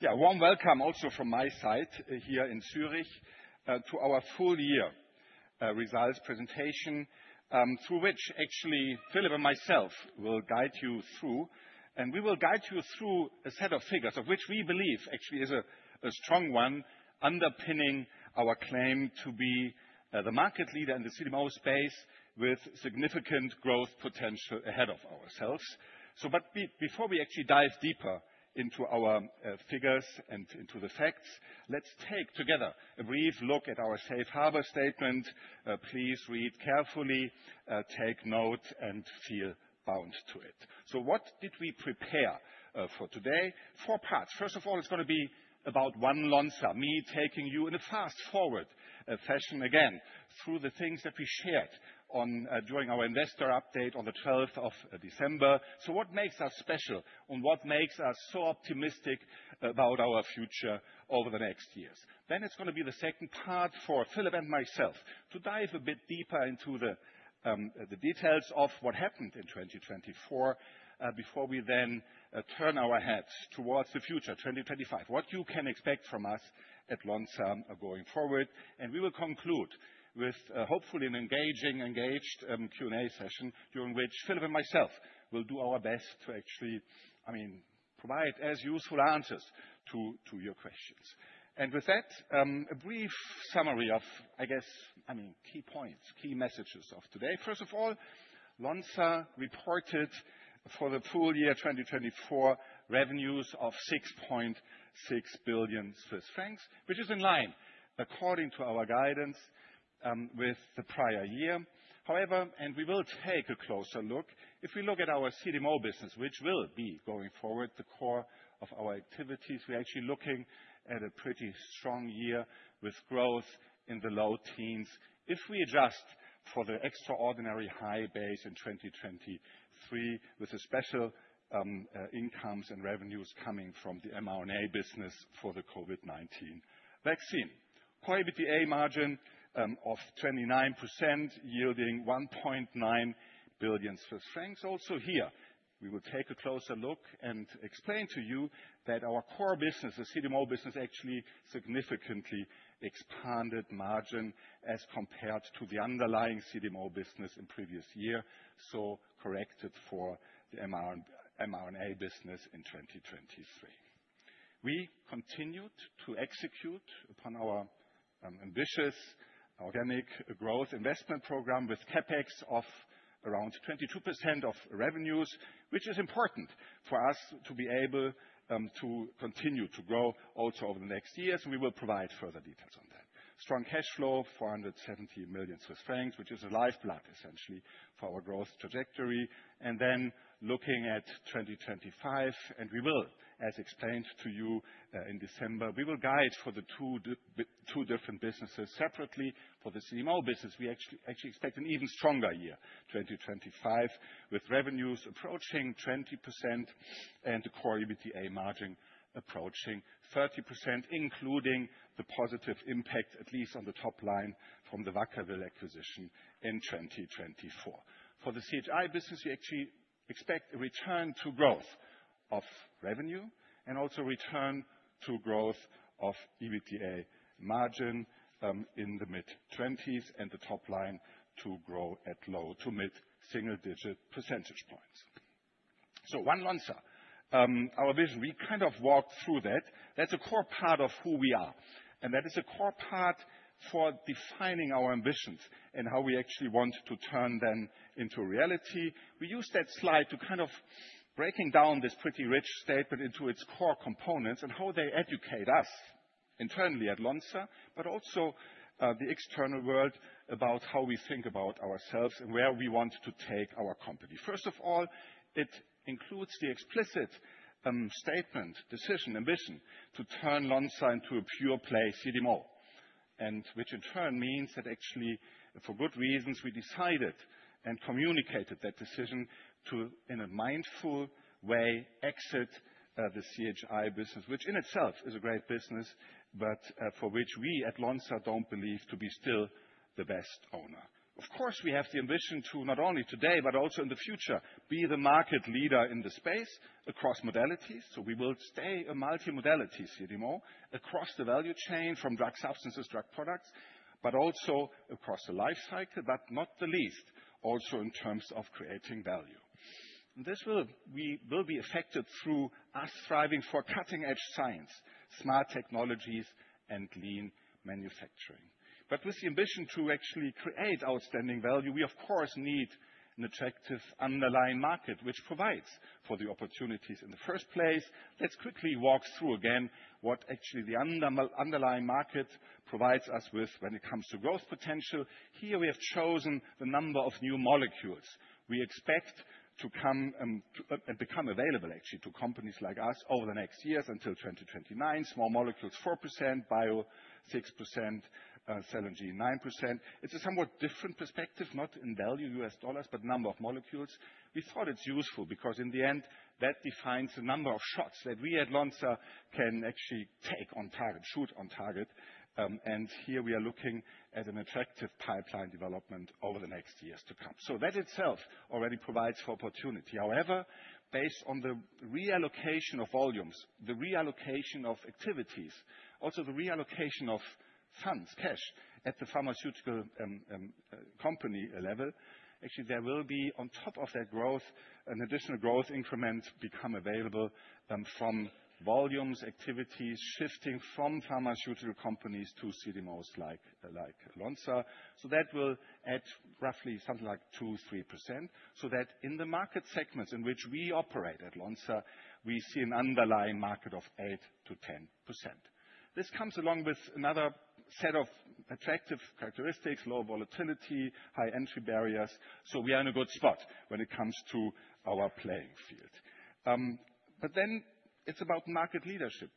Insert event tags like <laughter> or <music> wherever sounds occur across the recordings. Yeah, warm welcome also from my side here in Zurich to our full-year results presentation, through which actually Philippe and myself will guide you through. And we will guide you through a set of figures of which we believe actually is a strong one underpinning our claim to be the market leader in the CDMO space with significant growth potential ahead of ourselves. But before we actually dive deeper into our figures and into the facts, let's take together a brief look at our safe harbor statement. Please read carefully, take note, and feel bound to it. What did we prepare for today? Four parts. First of all, it's going to be about One Lonza, me taking you in a fast-forward fashion again through the things that we shared during our investor update on the 12th of December. So, what makes us special and what makes us so optimistic about our future over the next years? Then it's going to be the second part for Philippe and myself to dive a bit deeper into the details of what happened in 2024 before we then turn our heads towards the future, 2025, what you can expect from us at Lonza going forward. And we will conclude with hopefully an engaging Q&A session during which Philippe and myself will do our best to actually, I mean, provide as useful answers to your questions. And with that, a brief summary of, I guess, I mean, key points, key messages of today. First of all, Lonza reported for the full year 2024 revenues of 6.6 billion Swiss francs, which is in line, according to our guidance, with the prior year. However, and we will take a closer look. If we look at our CDMO business, which will be going forward the core of our activities, we're actually looking at a pretty strong year with growth in the low-teens if we adjust for the extraordinary high base in 2023 with the special incomes and revenues coming from the mRNA business for the COVID-19 vaccine. core EBITDA margin of 29% yielding 1.9 billion Swiss francs. Also here, we will take a closer look and explain to you that our core business, the CDMO business, actually significantly expanded margin as compared to the underlying CDMO business in previous year, so corrected for the mRNA business in 2023. We continued to execute upon our ambitious organic growth investment program with CapEx of around 22% of revenues, which is important for us to be able to continue to grow also over the next years. We will provide further details on that. Strong cash flow, 470 million Swiss francs, which is a lifeblood essentially for our growth trajectory, and then looking at 2025, and we will, as explained to you in December, we will guide for the two different businesses separately. For the CDMO business, we actually expect an even stronger year, 2025, with revenues approaching 20% and the core EBITDA margin approaching 30%, including the positive impact at least on the top line from the Vacaville acquisition in 2024. For the CHI business, we actually expect a return to growth of revenue and also return to growth of EBITDA margin in the mid-20s and the top line to grow at low- to mid-single-digit percentage points, so One Lonza, our vision, we kind of walked through that. That's a core part of who we are. That is a core part for defining our ambitions and how we actually want to turn them into reality. We use that slide to kind of break down this pretty rich statement into its core components and how they educate us internally at Lonza, but also the external world about how we think about ourselves and where we want to take our company. First of all, it includes the explicit statement, decision, and vision to turn Lonza into a pure play CDMO, which in turn means that actually for good reasons we decided and communicated that decision to, in a mindful way, exit the CHI business, which in itself is a great business, but for which we at Lonza don't believe to be still the best owner. Of course, we have the ambition to not only today, but also in the future be the market leader in the space across modalities. So, we will stay a multi-modality CDMO across the value chain from drug substances, drug products, but also across the lifecycle, but not the least, also in terms of creating value. This will be affected through us striving for cutting-edge science, smart technologies, and lean manufacturing. But with the ambition to actually create outstanding value, we, of course, need an attractive underlying market, which provides for the opportunities in the first place. Let's quickly walk through again what actually the underlying market provides us with when it comes to growth potential. Here, we have chosen the number of new molecules we expect to come and become available actually to companies like us over the next years until 2029. Small Molecules 4%, Bio 6%, Cell & Gene 9%. It's a somewhat different perspective, not in value US dollars, but number of molecules. We thought it's useful because in the end, that defines the number of shots that we at Lonza can actually take on target, shoot on target, and here we are looking at an attractive pipeline development over the next years to come. That itself already provides for opportunity. However, based on the reallocation of volumes, the reallocation of activities, also the reallocation of funds, cash at the pharmaceutical company level, actually there will be on top of that growth, an additional growth increment become available from volumes, activities shifting from pharmaceutical companies to CDMOs like Lonza. That will add roughly something like 2%-3%. That in the market segments in which we operate at Lonza, we see an underlying market of 8%-10%. This comes along with another set of attractive characteristics, low volatility, high entry barriers. So, we are in a good spot when it comes to our playing field. But then it's about market leadership.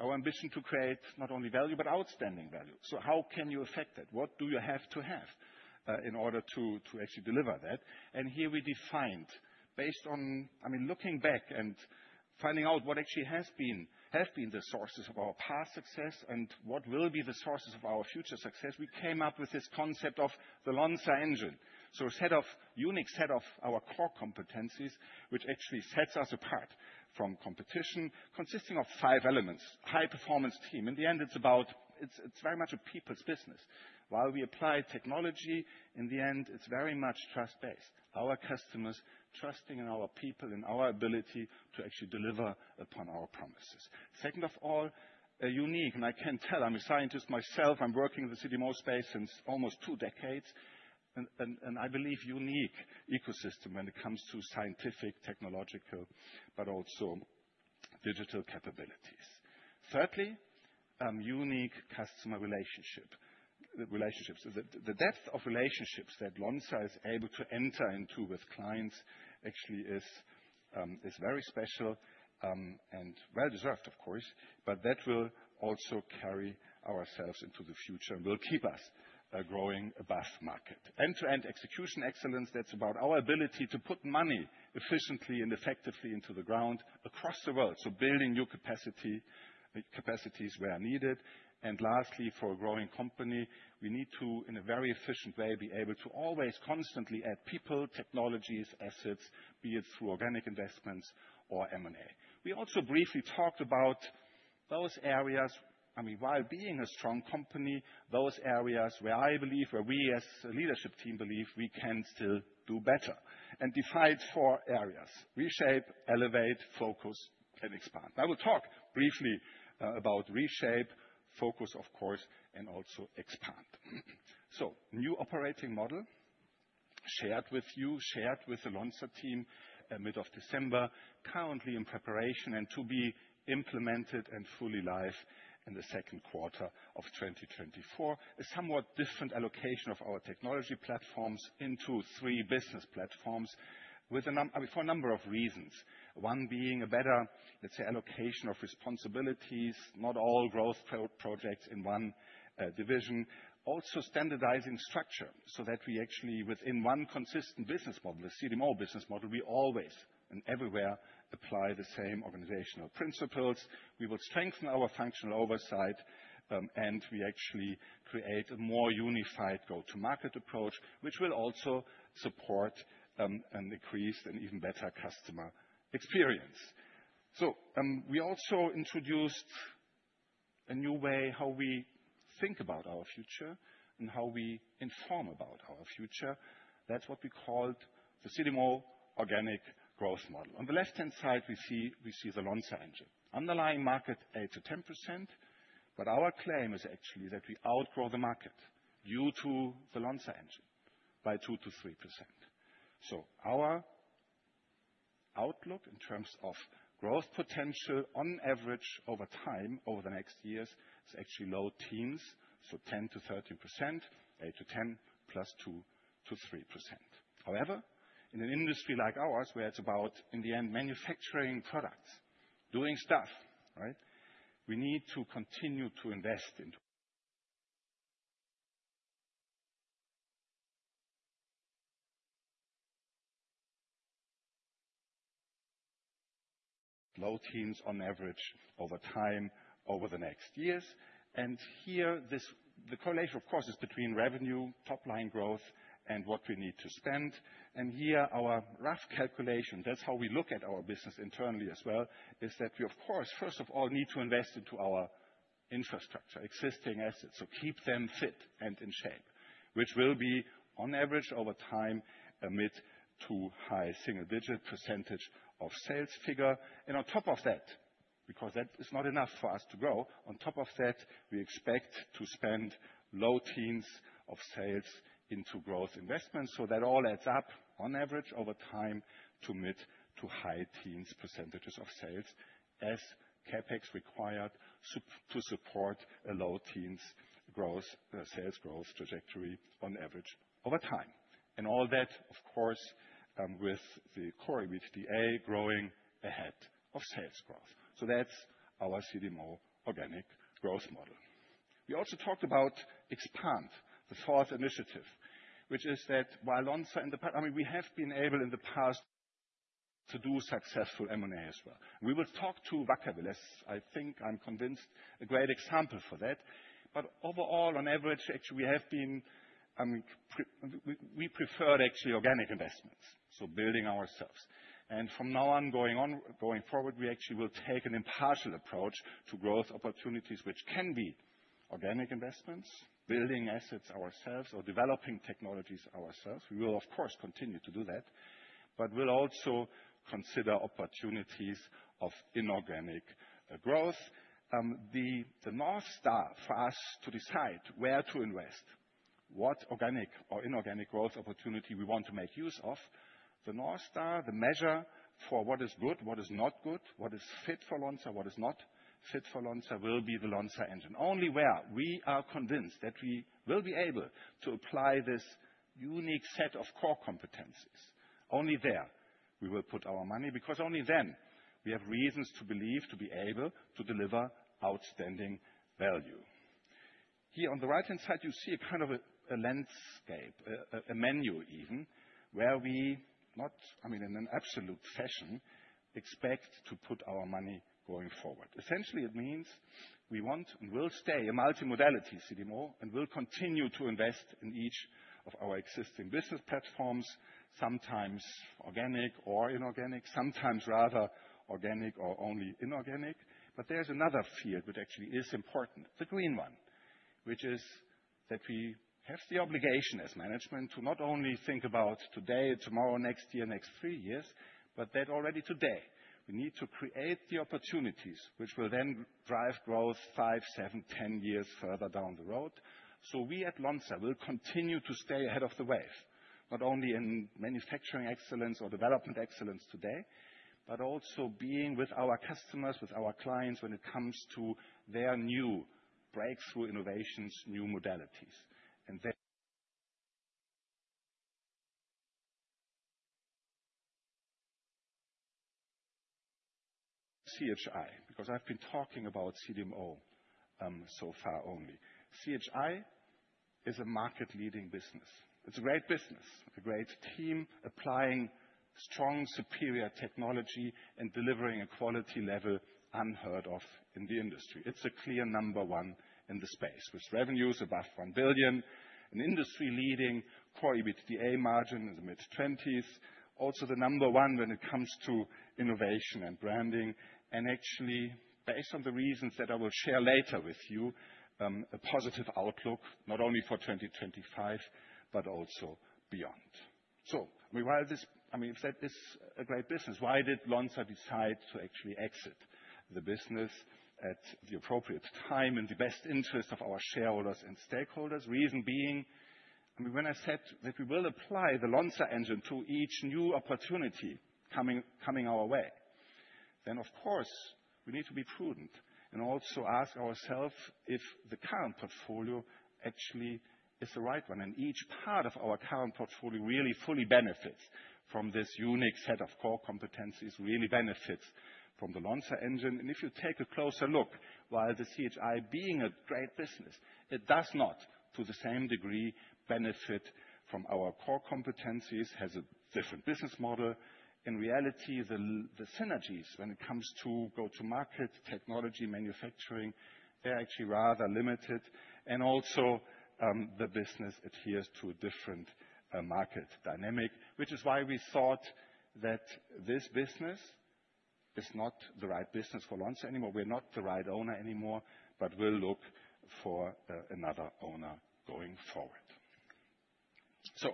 Our ambition to create not only value, but outstanding value. So, how can you affect that? What do you have to have in order to actually deliver that? And here we defined, based on, I mean, looking back and finding out what actually has been the sources of our past success and what will be the sources of our future success, we came up with this concept of the Lonza Engine. So, a unique set of our core competencies, which actually sets us apart from competition, consisting of five elements, high performance team. In the end, it's very much a people's business. While we apply technology, in the end, it's very much trust-based. Our customers trusting in our people, in our ability to actually deliver upon our promises. Second of all, unique, and I can tell. I'm a scientist myself. I'm working in the CDMO space since almost two decades. And I believe unique ecosystem when it comes to scientific, technological, but also digital capabilities. Thirdly, unique customer relationships. The depth of relationships that Lonza is able to enter into with clients actually is very special and well-deserved, of course, but that will also carry ourselves into the future and will keep us growing above market. End-to-end execution excellence, that's about our ability to put money efficiently and effectively into the ground across the world. So, building new capacities where needed. And lastly, for a growing company, we need to, in a very efficient way, be able to always constantly add people, technologies, assets, be it through organic investments or M&A. We also briefly talked about those areas, I mean, while being a strong company, those areas where I believe, where we as a leadership team believe we can still do better, and define four areas: reshape, elevate, focus, and expand. I will talk briefly about reshape, focus, of course, and also expand. So, new operating model shared with you, shared with the Lonza team in mid-December, currently in preparation and to be implemented and fully live in the second quarter of 2024. A somewhat different allocation of our technology platforms into three business platforms for a number of reasons. One being a better, let's say, allocation of responsibilities, not all growth projects in one division. Also standardizing structure so that we actually, within one consistent business model, the CDMO business model, we always and everywhere apply the same organizational principles. We will strengthen our functional oversight, and we actually create a more unified go-to-market approach, which will also support an increased and even better customer experience. So, we also introduced a new way how we think about our future and how we inform about our future. That's what we called the CDMO Organic Growth Model. On the left-hand side, we see the Lonza Engine. Underlying market 8%-10%, but our claim is actually that we outgrow the market due to the Lonza Engine by 2%-3%. So, our outlook in terms of growth potential on average over time over the next years is actually low-teens, so 10%-13%, 8%-10% plus 2%-3%. However, in an industry like ours where it's about, in the end, manufacturing products, doing stuff, right? We need to continue to invest into low-teens on average over time over the next years. And here, the correlation, of course, is between revenue, top line growth, and what we need to spend. And here, our rough calculation, that's how we look at our business internally as well, is that we, of course, first of all, need to invest into our infrastructure, existing assets, so keep them fit and in shape, which will be, on average, over time, a mid- to high single-digit % of sales figure. And on top of that, because that is not enough for us to grow, on top of that, we expect to spend low-teens percent of sales into growth investments. So that all adds up on average over time to mid- to high-teens percent of sales as CapEx required to support a low-teens sales growth trajectory on average over time. And all that, of course, with the core EBITDA growing ahead of sales growth. So that's our CDMO Organic Growth Model. We also talked about expand, the fourth initiative, which is that while Lonza in the past, I mean, we have been able in the past to do successful M&A as well. We will talk to Vacaville, as I think I'm convinced, a great example for that. But overall, on average, actually, we have been, I mean, we preferred actually organic investments, so building ourselves. And from now on going forward, we actually will take an impartial approach to growth opportunities, which can be organic investments, building assets ourselves, or developing technologies ourselves. We will, of course, continue to do that, but we'll also consider opportunities of inorganic growth. The North Star for us to decide where to invest, what organic or inorganic growth opportunity we want to make use of, the North Star, the measure for what is good, what is not good, what is fit for Lonza, what is not fit for Lonza, will be the Lonza Engine. Only where we are convinced that we will be able to apply this unique set of core competencies, only there we will put our money because only then we have reasons to believe to be able to deliver outstanding value. Here, on the right-hand side, you see a kind of a landscape, a menu even, where we not, I mean, in an absolute fashion, expect to put our money going forward. Essentially, it means we want and will stay a multi-modality CDMO and will continue to invest in each of our existing business platforms, sometimes organic or inorganic, sometimes rather organic or only inorganic. But there's another field which actually is important, the green one, which is that we have the obligation as management to not only think about today, tomorrow, next year, next three years, but that already today, we need to create the opportunities which will then drive growth five, seven, ten years further down the road. So, we at Lonza will continue to stay ahead of the wave, not only in manufacturing excellence or development excellence today, but also being with our customers, with our clients when it comes to their new breakthrough innovations, new modalities. And CHI, because I've been talking about CDMO so far only, CHI is a market-leading business. It's a great business, a great team applying strong superior technology and delivering a quality level unheard of in the industry. It's a clear number one in the space with revenues above 1 billion, an industry-leading core EBITDA margin in the mid-20s, also the number one when it comes to innovation and branding, and actually based on the reasons that I will share later with you, a positive outlook not only for 2025, but also beyond. So, I mean, while this, I mean, if that is a great business, why did Lonza decide to actually exit the business at the appropriate time in the best interest of our shareholders and stakeholders? reason being, I mean, when I said that we will apply the Lonza Engine to each new opportunity coming our way, then, of course, we need to be prudent and also ask ourselves if the current portfolio actually is the right one and each part of our current portfolio really fully benefits from this unique set of core competencies, really benefits from the Lonza Engine, and if you take a closer look, while the CHI being a great business, it does not to the same degree benefit from our core competencies, has a different business model. In reality, the synergies when it comes to go-to-market technology, manufacturing, they're actually rather limited, and also, the business adheres to a different market dynamic, which is why we thought that this business is not the right business for Lonza anymore. We're not the right owner anymore, but we'll look for another owner going forward. So,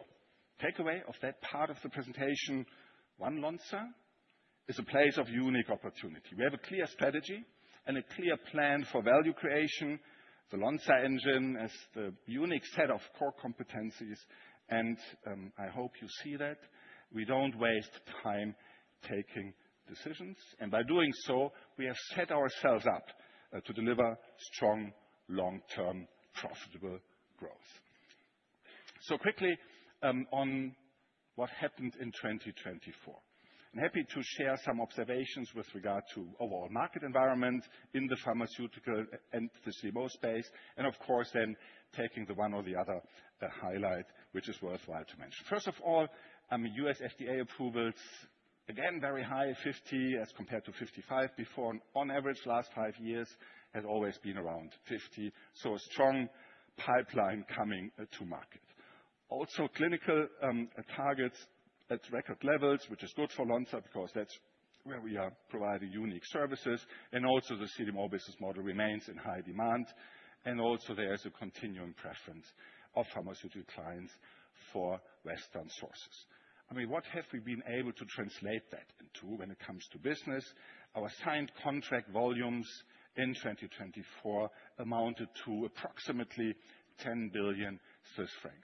takeaway of that part of the presentation: one, Lonza is a place of unique opportunity. We have a clear strategy and a clear plan for value creation. The Lonza Engine is the unique set of core competencies, and I hope you see that we don't waste time taking decisions, and by doing so, we have set ourselves up to deliver strong, long-term, profitable growth, so quickly on what happened in 2024. I'm happy to share some observations with regard to overall market environment in the pharmaceutical and the CDMO space, and of course, then taking the one or the other highlight, which is worthwhile to mention. First of all, U.S. FDA approvals, again, very high, 50 as compared to 55 before. On average, last five years has always been around 50, so a strong pipeline coming to market. Also, clinical targets at record levels, which is good for Lonza because that's where we are providing unique services, and also the CDMO business model remains in high demand. And also, there is a continuing preference of pharmaceutical clients for Western sources. I mean, what have we been able to translate that into when it comes to business? Our signed contract volumes in 2024 amounted to approximately 10 billion Swiss francs,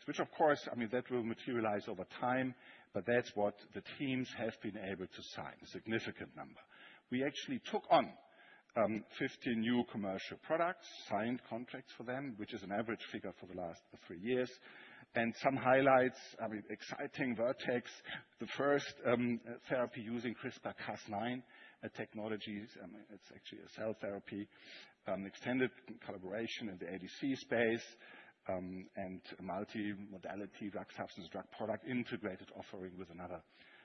which, of course, I mean, that will materialize over time, but that's what the teams have been able to sign, a significant number. We actually took on 50 new commercial products, signed contracts for them, which is an average figure for the last three years. Some highlights, I mean, exciting Vertex, the first therapy using CRISPR-Cas9 technology, it's actually a cell therapy, extended collaboration in the ADC space, and multi-modality drug substance drug product integrated offering with another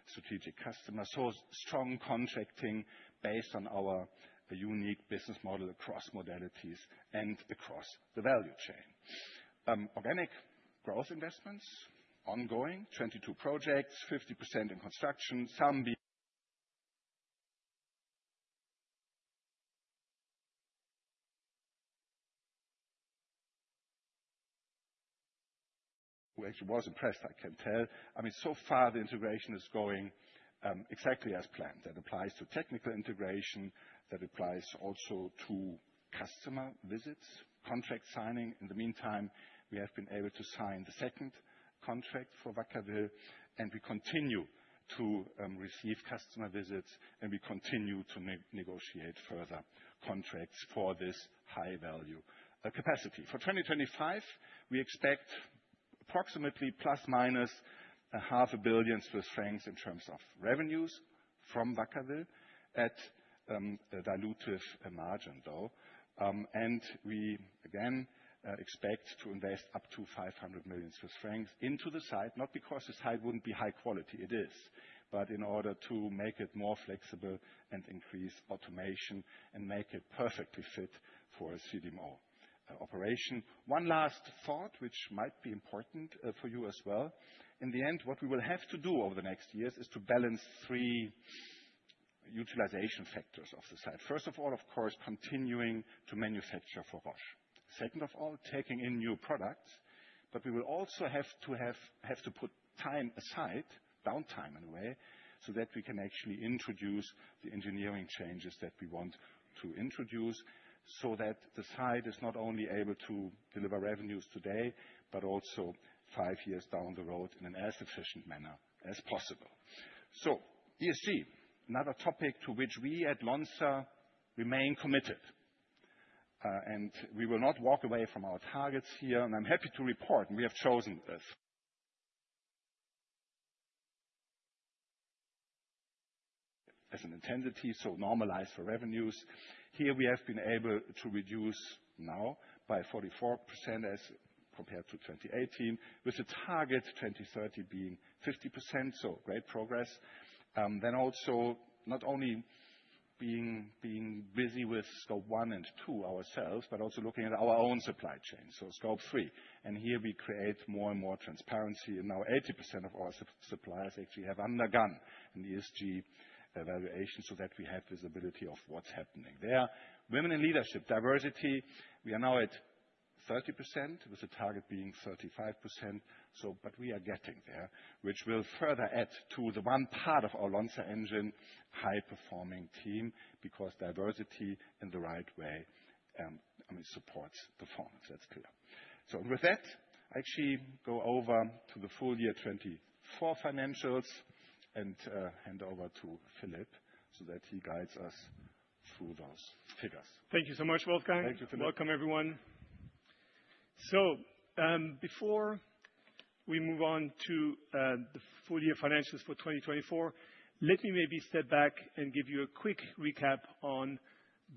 strategic customer. Strong contracting based on our unique business model across modalities and across the value chain. Organic growth investments, ongoing 22 projects, 50% in construction, some. We actually was impressed, I can tell. I mean, so far the integration is going exactly as planned. That applies to technical integration, that applies also to customer visits, contract signing. In the meantime, we have been able to sign the second contract for Vacaville, and we continue to receive customer visits, and we continue to negotiate further contracts for this high-value capacity. For 2025, we expect approximately plus minus 500 million Swiss francs in terms of revenues from Vacaville at a dilutive margin, though. We, again, expect to invest up to 500 million Swiss francs into the site, not because the site wouldn't be high quality. It is, but in order to make it more flexible and increase automation and make it perfectly fit for a CDMO operation. One last thought, which might be important for you as well. In the end, what we will have to do over the next years is to balance three utilization factors of the site. First of all, of course, continuing to manufacture for Roche. Second of all, taking in new products, but we will also have to put time aside, downtime in a way, so that we can actually introduce the engineering changes that we want to introduce so that the site is not only able to deliver revenues today, but also five years down the road in an as efficient manner as possible. ESG, another topic to which we at Lonza remain committed, and we will not walk away from our targets here, and I'm happy to report we have chosen this as an intensity, so normalize for revenues. Here we have been able to reduce now by 44% as compared to 2018, with a target 2030 being 50%, so great progress. Also not only being busy with Scope 1 and 2 ourselves, but also looking at our own supply chain. So, Scope 3, and here we create more and more transparency, and now 80% of our suppliers actually have undergone an ESG evaluation so that we have visibility of what's happening there. Women in leadership, diversity, we are now at 30% with a target being 35%, but we are getting there, which will further add to the one part of our Lonza Engine, high-performing team, because diversity in the right way, I mean, supports performance, that's clear. So, with that, I actually go over to the full year 2024 financials and hand over to Philippe so that he guides us through those figures. Thank you so much, Wolfgang. Thank you, Philippe. Welcome, everyone. So, before we move on to the full year financials for 2024, let me maybe step back and give you a quick recap on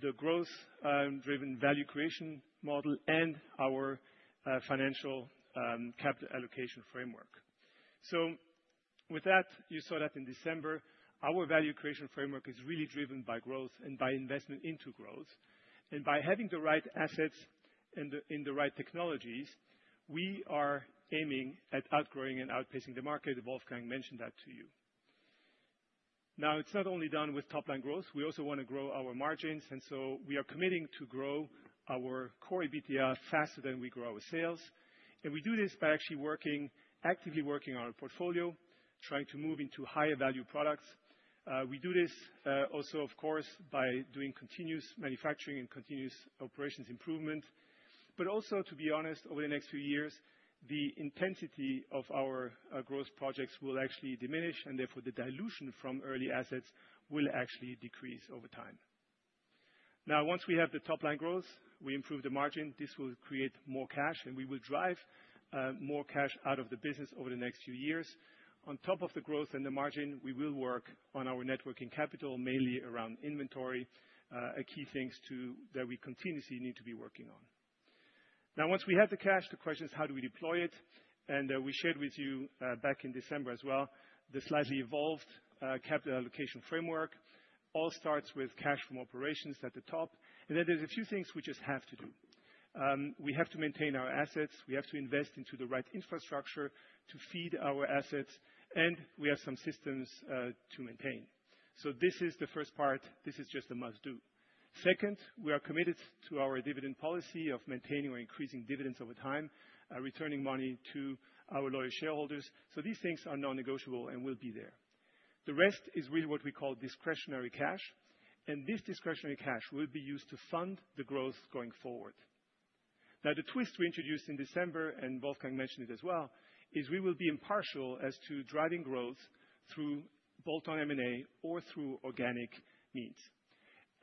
the growth-driven value creation model and our financial capital allocation framework. So with that, you saw that in December, our value creation framework is really driven by growth and by investment into growth. By having the right assets and the right technologies, we are aiming at outgrowing and outpacing the market. Wolfgang mentioned that to you. Now, it's not only done with top-line growth. We also want to grow our margins, and so we are committing to grow our core EBITDA faster than we grow our sales. We do this by actually working, actively working on our portfolio, trying to move into higher value products. We do this also, of course, by doing continuous manufacturing and continuous operations improvement. Also, to be honest, over the next few years, the intensity of our growth projects will actually diminish, and therefore the dilution from early assets will actually decrease over time. Now, once we have the top-line growth, we improve the margin, this will create more cash, and we will drive more cash out of the business over the next few years. On top of the growth and the margin, we will work on our net working capital, mainly around inventory, key things that we continuously need to be working on. Now, once we have the cash, the question is, how do we deploy it, and we shared with you back in December as well, the slightly evolved capital allocation framework. All starts with cash from operations at the top, and then there's a few things we just have to do. We have to maintain our assets, we have to invest into the right infrastructure to feed our assets, and we have some systems to maintain, so this is the first part, this is just a must-do. Second, we are committed to our dividend policy of maintaining or increasing dividends over time, returning money to our loyal shareholders, so these things are non-negotiable and will be there. The rest is really what we call discretionary cash, and this discretionary cash will be used to fund the growth going forward. Now, the twist we introduced in December, and Wolfgang mentioned it as well, is we will be impartial as to driving growth through bolt-on M&A or through organic means.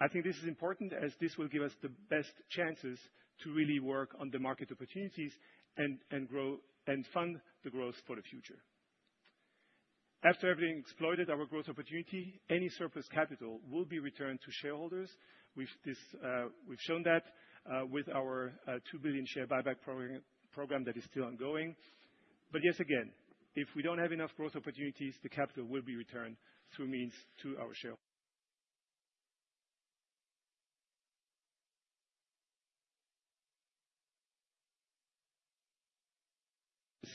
I think this is important as this will give us the best chances to really work on the market opportunities and grow and fund the growth for the future. After everything exploited our growth opportunity, any surplus capital will be returned to shareholders. We've shown that with our 2 billion share buyback program that is still ongoing. But yes, again, if we don't have enough growth opportunities, the capital will be returned through means to our shareholders.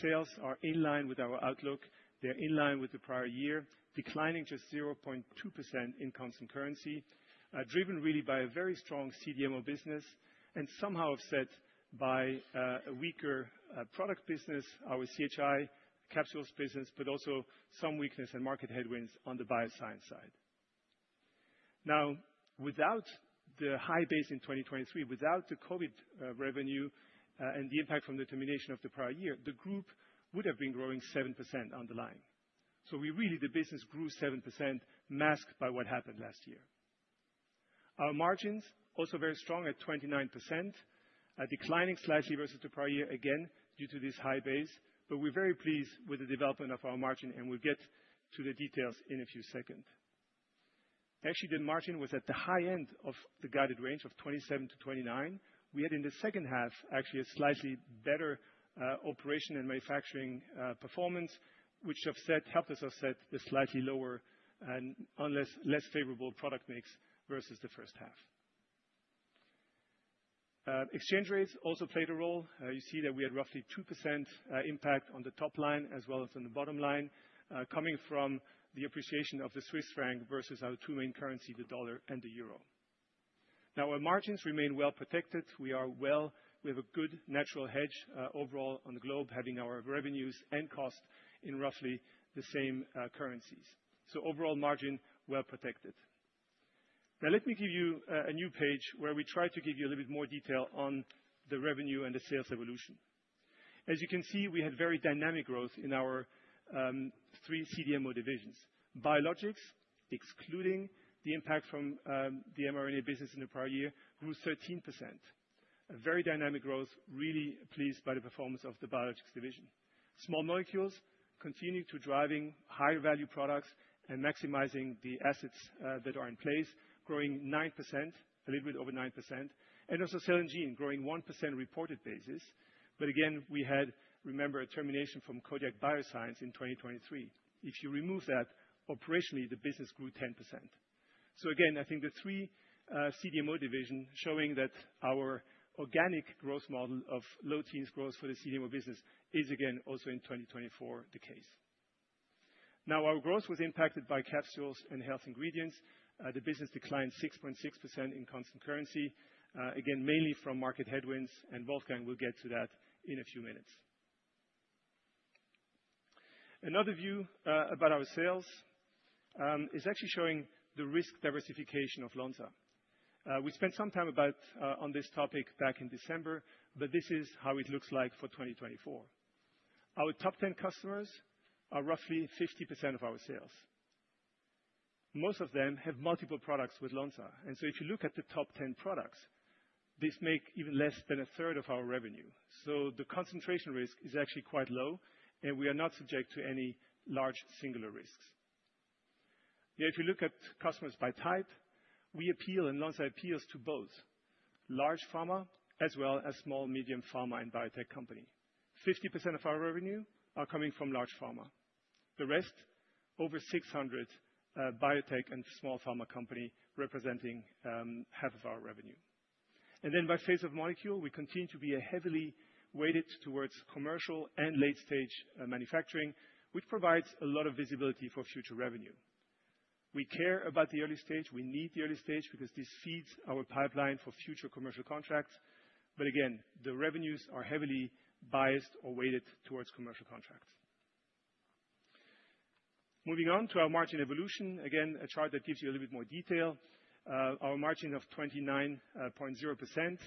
Sales are in line with our outlook, they're in line with the prior year, declining just 0.2% in constant currency, driven really by a very strong CDMO business and somehow offset by a weaker product business, our CHI capsules business, but also some weakness and market headwinds on the bioscience side. Now, without the high base in 2023, without the COVID revenue and the impact from the termination of the prior year, the group would have been growing 7% underlying. So, we really, the business grew 7% masked by what happened last year. Our margins also very strong at 29%, declining slightly versus the prior year again due to this high base, but we're very pleased with the development of our margin and we'll get to the details in a few seconds. Actually, the margin was at the high end of the guided range of 27%-29%. We had in the second half actually a slightly better operation and manufacturing performance, which helped us offset the slightly lower and less favorable product mix versus the first half. Exchange rates also played a role. You see that we had roughly 2% impact on the top line as well as on the bottom line, coming from the appreciation of the Swiss franc versus our two main currencies, the dollar and the euro. Now, our margins remain well protected. We have a good natural hedge overall on the globe, having our revenues and costs in roughly the same currencies. So overall margin well protected. Now, let me give you a new page where we try to give you a little bit more detail on the revenue and the sales evolution. As you can see, we had very dynamic growth in our three CDMO divisions. Biologics, excluding the impact from the mRNA business in the prior year, grew 13%. Very dynamic growth, really pleased by the performance of the biologics division. Small molecules continuing to drive higher value products and maximizing the assets that are in place, growing 9%, a little bit over 9%. And also Cell & Gene growing 1% reported basis. But again, we had, remember, a termination from Kodiak Sciences in 2023. If you remove that, operationally the business grew 10%. So again, I think the three CDMO division showing that our organic growth model of low-teens growth for the CDMO business is again also in 2024 the case. Now, our growth was impacted by Capsules and Health Ingredients. The business declined 6.6% in constant currency, again mainly from market headwinds, and Wolfgang will get to that in a few minutes. Another view about our sales is actually showing the risk diversification of Lonza. We spent some time on this topic back in December, but this is how it looks like for 2024. Our top 10 customers are roughly 50% of our sales. Most of them have multiple products with Lonza. And so if you look at the top 10 products, this makes even less than a third of our revenue. So the concentration risk is actually quite low, and we are not subject to any large singular risks. If you look at customers by type, we appeal, and Lonza appeals to both large pharma as well as small, medium pharma and biotech company. 50% of our revenue are coming from large pharma. The rest, over 600 biotech and small pharma companies representing half of our revenue. And then by phase of molecule, we continue to be heavily weighted towards commercial and late-stage manufacturing, which provides a lot of visibility for future revenue. We care about the early stage. We need the early stage because this feeds our pipeline for future commercial contracts. But again, the revenues are heavily biased or weighted towards commercial contracts. Moving on to our margin evolution, again, a chart that gives you a little bit more detail. Our margin of 29.0%,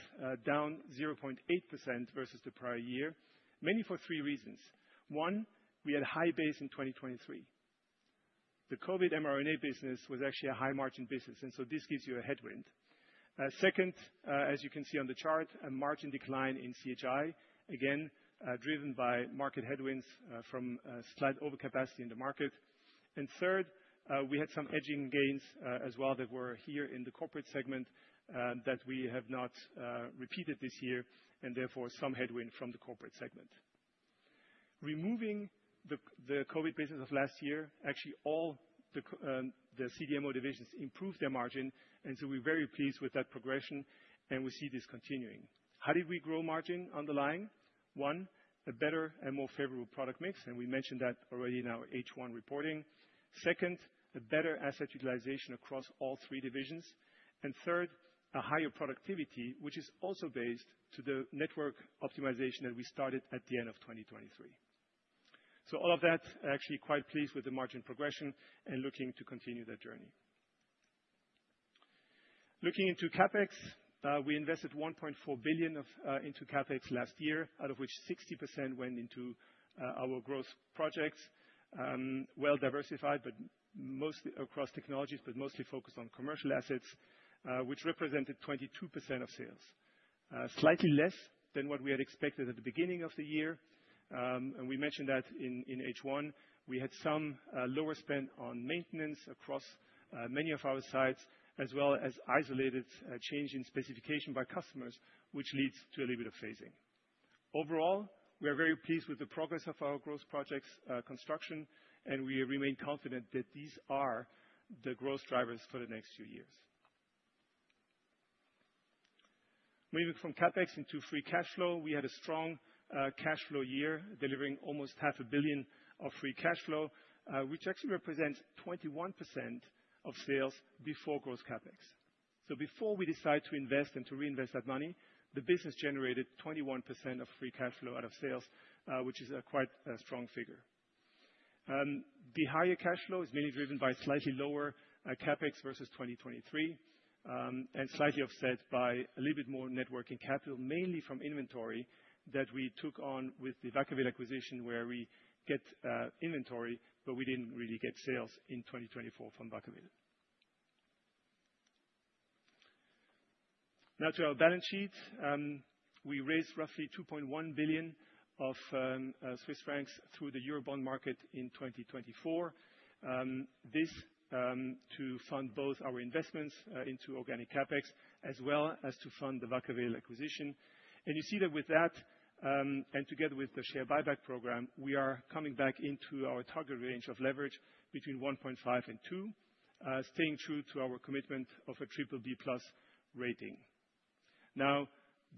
down 0.8% versus the prior year, mainly for three reasons. One, we had a high base in 2023. The COVID mRNA business was actually a high-margin business, and so this gives you a headwind. Second, as you can see on the chart, a margin decline in CHI, again driven by market headwinds from slight overcapacity in the market. And third, we had some hedging gains as well that were here in the Corporate segment that we have not repeated this year, and therefore some headwind from the Corporate segment. Removing the COVID business of last year, actually all the CDMO divisions improved their margin, and so we're very pleased with that progression, and we see this continuing. How did we grow margin underlying? One, a better and more favorable product mix, and we mentioned that already in our H1 reporting. Second, a better asset utilization across all three divisions. And third, a higher productivity, which is also based on the network optimization that we started at the end of 2023. So all of that, actually quite pleased with the margin progression and looking to continue that journey. Looking into CapEx, we invested 1.4 billion into CapEx last year, out of which 60% went into our growth projects, well diversified, but mostly across technologies, but mostly focused on commercial assets, which represented 22% of sales. Slightly less than what we had expected at the beginning of the year, and we mentioned that in H1, we had some lower spend on maintenance across many of our sites, as well as isolated change in specification by customers, which leads to a little bit of phasing. Overall, we are very pleased with the progress of our growth projects construction, and we remain confident that these are the growth drivers for the next few years. Moving from CapEx into free cash flow, we had a strong cash flow year, delivering almost 500 million of free cash flow, which actually represents 21% of sales before gross CapEx. So before we decide to invest and to reinvest that money, the business generated 21% of free cash flow out of sales, which is a quite strong figure. The higher cash flow is mainly driven by slightly lower CapEx versus 2023, and slightly offset by a little bit more working capital, mainly from inventory that we took on with the Vacaville acquisition, where we get inventory, but we didn't really get sales in 2024 from Vacaville. Now, to our balance sheet, we raised roughly 2.1 billion through the Eurobond market in 2024. This is to fund both our investments into organic CapEx as well as to fund the Vacaville acquisition. You see that with that, and together with the share buyback program, we are coming back into our target range of leverage between 1.5 and 2, staying true to our commitment of a BBB+ rating. Now,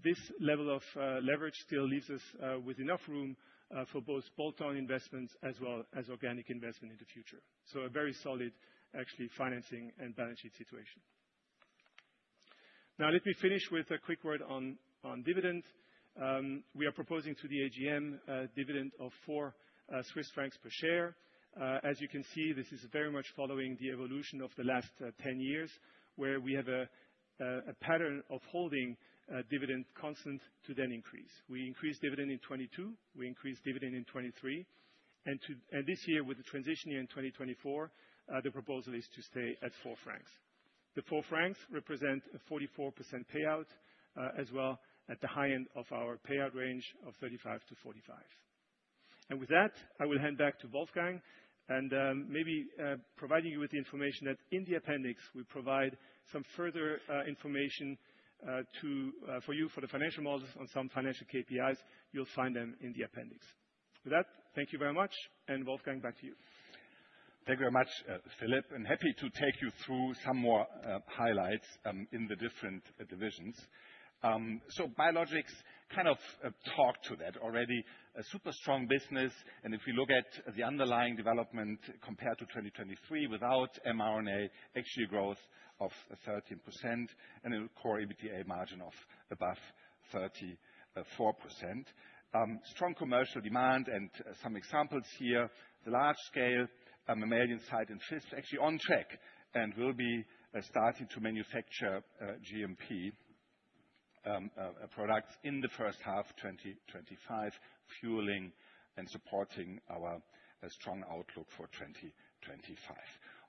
this level of leverage still leaves us with enough room for both bolt-on investments as well as organic investment in the future. A very solid, actually, financing and balance sheet situation. Now, let me finish with a quick word on dividends. We are proposing to the AGM dividend of 4 Swiss francs per share. As you can see, this is very much following the evolution of the last 10 years, where we have a pattern of holding dividend constant to then increase. We increased dividend in 2022, we increased dividend in 2023, and this year, with the transition year in 2024, the proposal is to stay at 4 francs. The 4 francs represent a 44% payout as well at the high end of our payout range of 35%-45%. With that, I will hand back to Wolfgang and maybe providing you with the information that in the appendix we provide some further information for you for the financial models on some financial KPIs. You'll find them in the appendix. With that, thank you very much, and Wolfgang, back to you. Thank you very much, Philippe, and happy to take you through some more highlights in the different divisions. Biologics kind of talked to that already, a super strong business, and if we look at the underlying development compared to 2023 without mRNA, actually a growth of 13% and a core EBITDA margin of above 34%. Strong commercial demand and some examples here, the large-scale mammalian site in Visp is actually on track and will be starting to manufacture GMP products in the first half of 2025, fueling and supporting our strong outlook for 2025.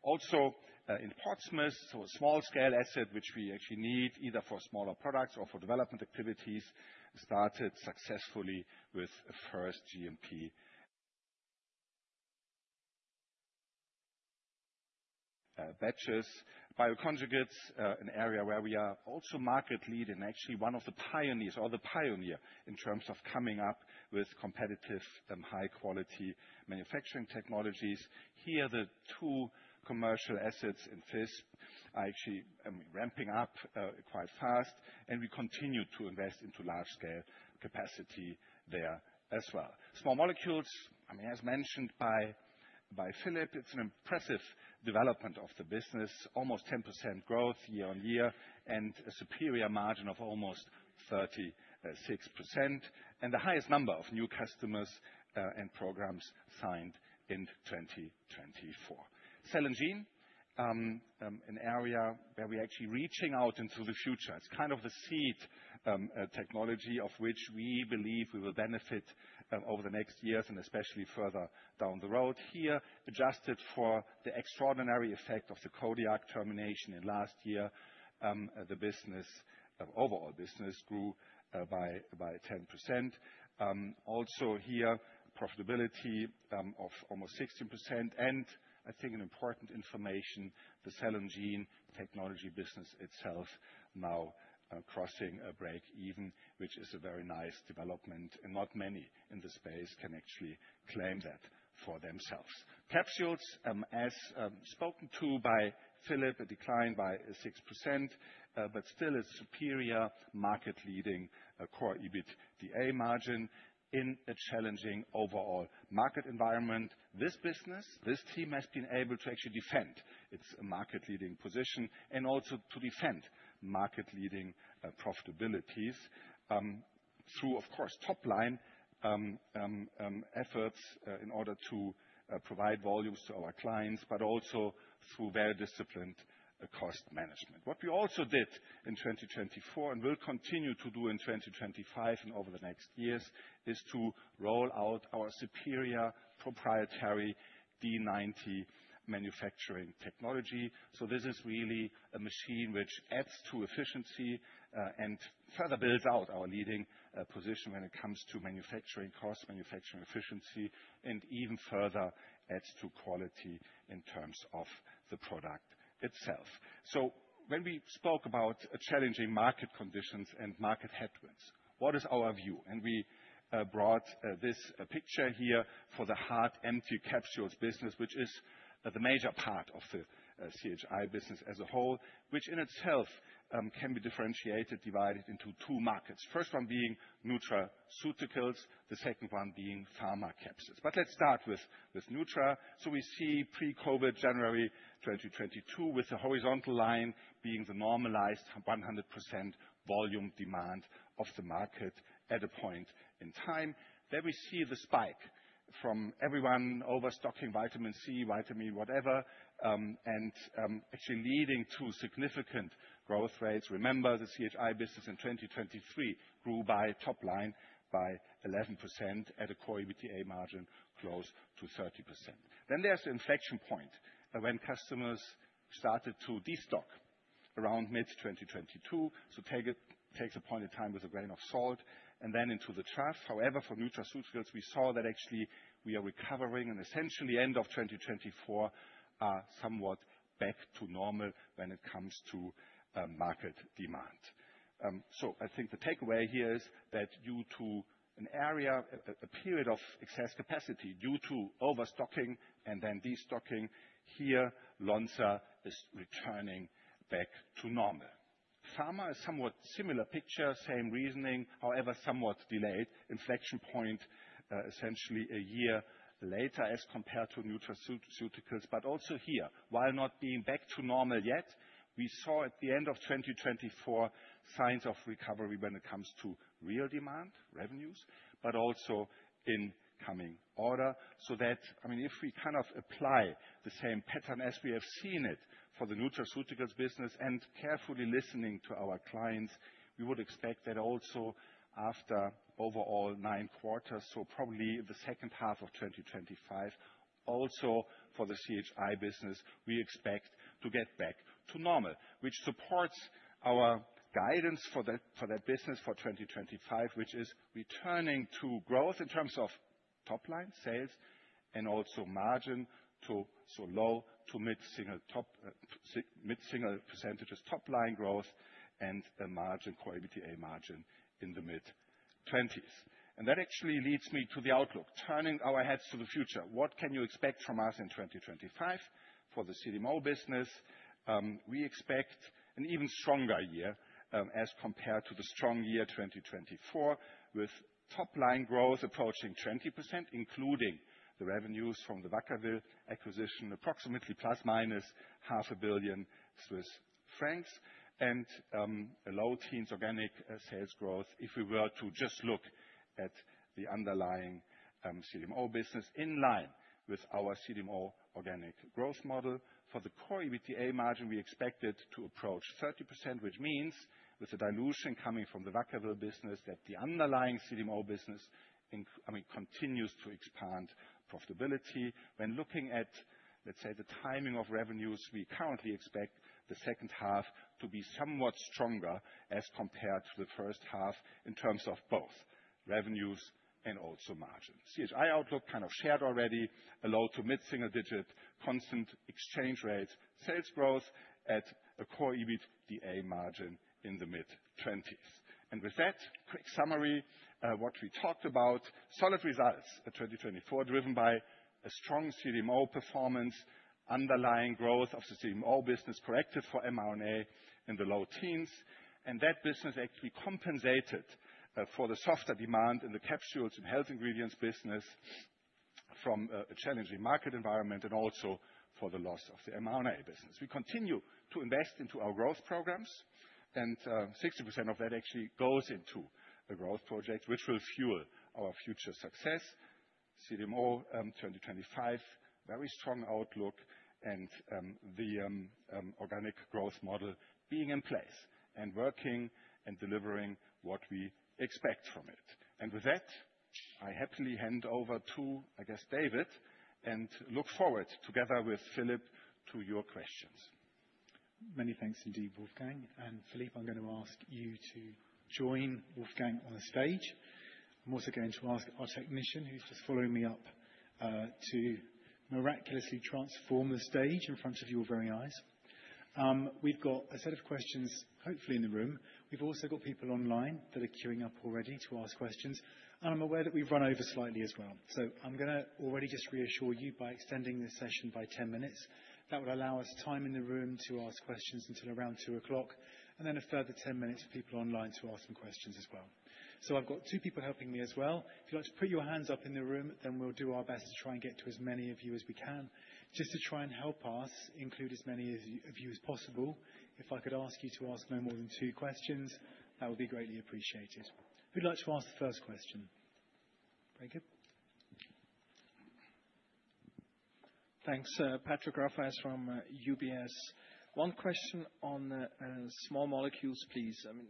Also in Portsmouth, so a small-scale asset, which we actually need either for smaller products or for development activities, started successfully with first GMP batches. Bioconjugates, an area where we are also market lead and actually one of the pioneers or the pioneer in terms of coming up with competitive high-quality manufacturing technologies. Here, the two commercial assets in Visp are actually ramping up quite fast, and we continue to invest into large-scale capacity there as well. Small Molecules, I mean, as mentioned by Philippe, it's an impressive development of the business, almost 10% growth year on year and a superior margin of almost 36%, and the highest number of new customers and programs signed in 2024. Cell & Gene, an area where we are actually reaching out into the future. It's kind of the seed technology of which we believe we will benefit over the next years and especially further down the road. Here, adjusted for the extraordinary effect of the Kodiak termination in last year, the business, overall business grew by 10%. Also here, profitability of almost 16%, and I think an important information, the Cell & Gene Technology business itself now crossing breakeven, which is a very nice development, and not many in the space can actually claim that for themselves. Capsules, as spoken to by Philippe, a decline by 6%, but still a superior market-leading core EBITDA margin in a challenging overall market environment. This business, this team has been able to actually defend its market-leading position and also to defend market-leading profitabilities through, of course, top-line efforts in order to provide volumes to our clients, but also through very disciplined cost management. What we also did in 2024 and will continue to do in 2025 and over the next years is to roll out our superior proprietary D90 manufacturing technology. So, this is really a machine which adds to efficiency and further builds out our leading position when it comes to manufacturing cost, manufacturing efficiency, and even further adds to quality in terms of the product itself. So, when we spoke about challenging market conditions and market headwinds, what is our view? And we brought this picture here for the hard empty capsules business, which is the major part of the CHI business as a whole, which in itself can be differentiated, divided into two markets. First one being nutraceuticals, the second one being pharmaceuticals. But let's start with nutra. So, we see pre-COVID, January 2022, with the horizontal line being the normalized 100% volume demand of the market at a point in time. There we see the spike from everyone overstocking vitamin C, vitamin whatever, and actually leading to significant growth rates. Remember, the CHI business in 2023 grew by top line by 11% at a core EBITDA margin close to 30%. There is an inflection point when customers started to destock around mid-2022. Take a point in time with a grain of salt and then into the charts. However, for nutraceuticals, we saw that actually we are recovering and essentially end of 2024 somewhat back to normal when it comes to market demand. I think the takeaway here is that due to an era, a period of excess capacity due to overstocking and then destocking, here Lonza is returning back to normal. Pharma has a somewhat similar picture, same reasoning, however somewhat delayed. Inflection point essentially a year later as compared to nutraceuticals, but also here, while not being back to normal yet, we saw at the end of 2024 signs of recovery when it comes to real demand, revenues, but also incoming orders. So that, I mean, if we kind of apply the same pattern as we have seen in the nutraceuticals business and carefully listening to our clients, we would expect that also after overall nine quarters, so probably the second half of 2025, also for the CHI business, we expect to get back to normal, which supports our guidance for that business for 2025, which is returning to growth in terms of top line sales and also margins to low- to mid-single-digit percentages, top line growth and a core EBITDA margin in the mid-20s%. That actually leads me to the outlook, turning our heads to the future. What can you expect from us in 2025 for the CDMO business? We expect an even stronger year as compared to the strong year 2024, with top line growth approaching 20%, including the revenues from the Vacaville acquisition, approximately plus minus 500 million Swiss francs and a low-teens organic sales growth. If we were to just look at the underlying CDMO business in line with our CDMO Organic Growth Model, for the core EBITDA margin, we expect it to approach 30%, which means with the dilution coming from the Vacaville business that the underlying CDMO business, I mean, continues to expand profitability. When looking at, let's say, the timing of revenues, we currently expect the second half to be somewhat stronger as compared to the first half in terms of both revenues and also margins. CHI outlook kind of shared already, a low- to mid-single-digit constant exchange rate sales growth at a core EBITDA margin in the mid-20s. With that, quick summary, what we talked about, solid results in 2024 driven by a strong CDMO performance, underlying growth of the CDMO business corrected for mRNA in the low-teens percent, and that business actually compensated for the softer demand in the Capsules and Health Ingredients business from a challenging market environment and also for the loss of the mRNA business. We continue to invest into our growth programs, and 60% of that actually goes into a growth project, which will fuel our future success. CDMO 2025, very strong outlook and the organic growth model being in place and working and delivering what we expect from it. With that, I happily hand over to, I guess, David and look forward together with Philippe to your questions. Many thanks indeed, Wolfgang. And Philippe, I'm going to ask you to join Wolfgang on the stage. I'm also going to ask our technician who's just following me up to miraculously transform the stage in front of your very eyes. We've got a set of questions hopefully in the room. We've also got people online that are queuing up already to ask questions, and I'm aware that we've run over slightly as well. So, I'm going to already just reassure you by extending this session by 10 minutes. That would allow us time in the room to ask questions until around 2 o'clock and then a further 10 minutes for people online to ask some questions as well. So, I've got two people helping me as well. If you'd like to put your hands up in the room, then we'll do our best to try and get to as many of you as we can. Just to try and help us include as many of you as possible, if I could ask you to ask no more than two questions, that would be greatly appreciated. Who'd like to ask the first question? Very good. Thanks, Patrick Rafaisz from UBS. One question on Small Molecules, please. I mean,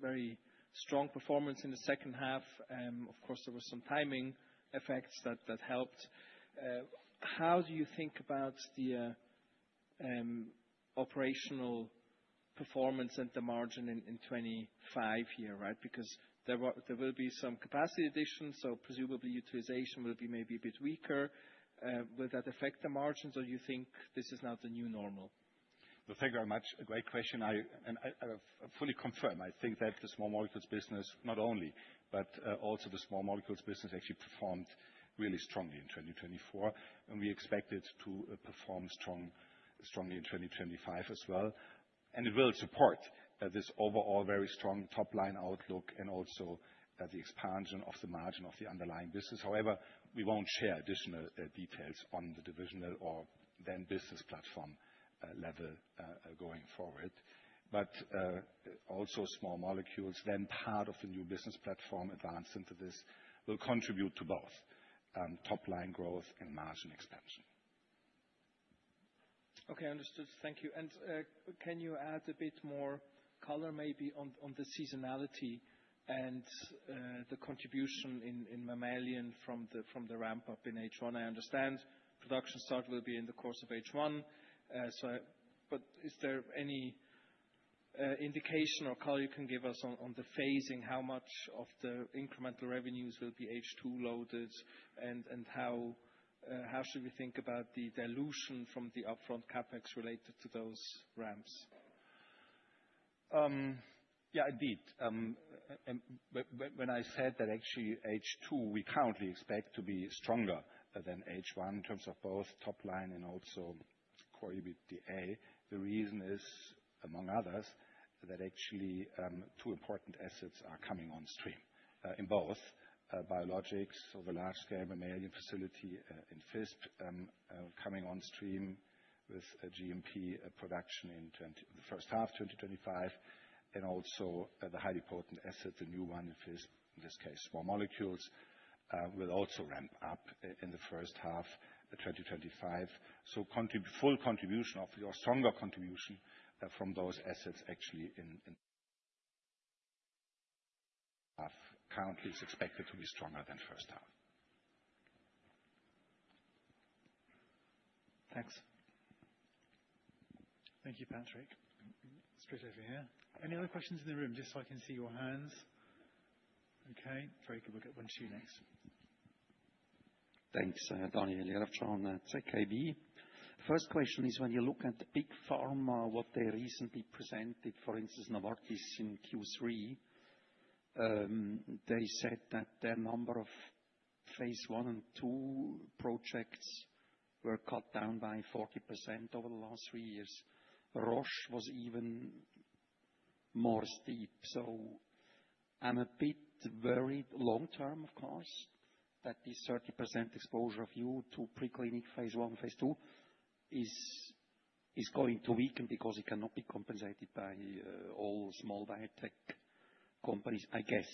very strong performance in the second half. Of course, there were some timing effects that helped. How do you think about the operational performance and the margin in 2025 here, right? Because there will be some capacity addition, so presumably utilization will be maybe a bit weaker. Will that affect the margins or do you think this is now the new normal? No, thank you very much. A great question. And I fully confirm, I think that the Small Molecules business, not only, but also the Small Molecules business actually performed really strongly in 2024, and we expect it to perform strongly in 2025 as well. And it will support this overall very strong top line outlook and also the expansion of the margin of the underlying business. However, we won't share additional details on the divisional or the business platform level going forward. But also Small Molecules, the part of the new business platform, Advanced Synthesis, will contribute to both top line growth and margin expansion. Okay, understood. Thank you. And can you add a bit more color maybe on the seasonality and the contribution in mammalian from the ramp up in H1? I understand production start will be in the course of H1, but is there any indication or color you can give us on the phasing, how much of the incremental revenues will be H2 loaded and how should we think about the dilution from the upfront CapEx related to those ramps? Yeah, indeed. When I said that, actually H2 we currently expect to be stronger than H1 in terms of both top line and also core EBITDA. The reason is, among others, that actually two important assets are coming on stream in both Biologics, so the large-scale mammalian facility in Visp coming on stream with GMP production in the first half of 2025, and also the highly potent asset, the new one in Visp, in this case, Small Molecules, will also ramp up in the first half of 2025. So full contribution or stronger contribution from those assets actually in H2 currently is expected to be stronger than first half. Thanks. Thank you, Patrick. It's great to have you here. Any other questions in the room just so I can see your hands? Okay. Very good. We'll get one to you next. Thanks, Daniel Buchta from ZKB. First question is when you look at big pharma, what they recently presented, for instance, Novartis in Q3, they said that their number of phase I and II projects were cut down by 40% over the last three years. Roche was even more steep. So, I'm a bit worried long term, of course, that this 30% exposure of you to preclinical phase I and phase II is going to weaken because it cannot be compensated by all small biotech companies, I guess.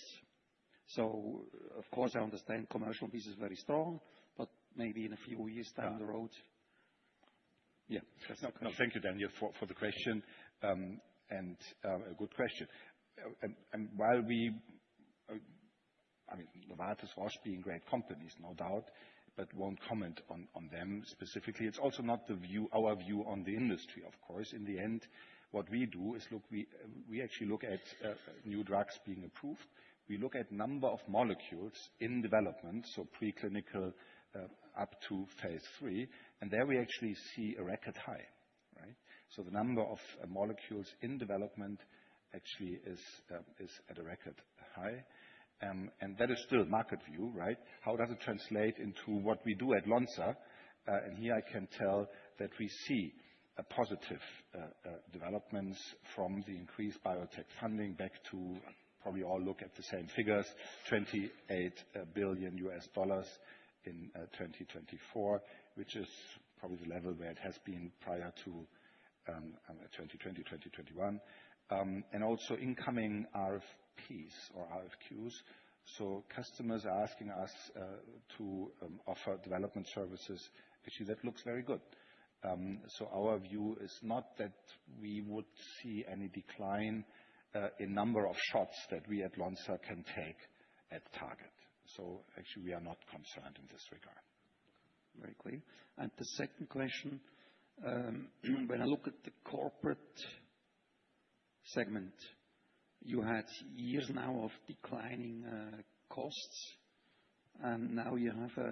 So of course, I understand commercial business is very strong, but maybe in a few years down the road. Yeah. No, thank you, Daniel, for the question, and a good question. While we—I mean, Novartis, Roche being great companies, no doubt, but won't comment on them specifically. It's also not our view on the industry, of course. In the end, what we do is look—we actually look at new drugs being approved. We look at number of molecules in development, so preclinical up to phase III, and there we actually see a record high, right? The number of molecules in development actually is at a record high, and that is still market view, right? How does it translate into what we do at Lonza? And here I can tell that we see positive developments from the increased biotech funding back to, probably all look at the same figures, $28 billion in 2024, which is probably the level where it has been prior to 2020, 2021. And also incoming RFPs or RFQs. So customers are asking us to offer development services. Actually, that looks very good. So our view is not that we would see any decline in number of shots that we at Lonza can take at target. So actually, we are not concerned in this regard. Very clear. And the second question, when I look at the Corporate segment, you had years now of declining costs, and now you have